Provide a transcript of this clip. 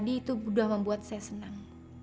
itu sudah membuat saya senang